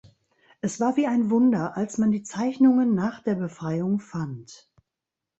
Es war wie ein Wunder, als man die Zeichnungen nach der Befreiung fand.